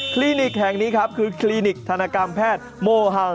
ลินิกแห่งนี้ครับคือคลินิกธนกรรมแพทย์โมฮาว